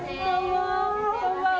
こんばんは。